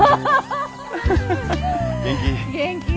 元気？